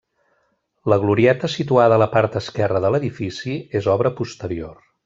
La glorieta situada a la part esquerra de l'edifici és obra posterior.